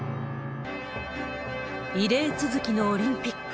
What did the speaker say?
異例続きのオリンピック。